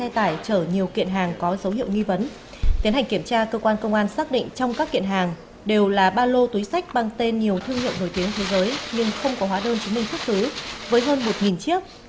thời điểm kiểm tra cơ quan công an xác định trong các kiện hàng đều là ba lô túi sách bằng tên nhiều thương hiệu nổi tiếng thế giới nhưng không có hóa đơn chứng minh thức thứ với hơn một chiếc